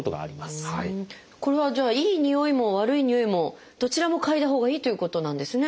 これはじゃあいいにおいも悪いにおいもどちらも嗅いだほうがいいということなんですね。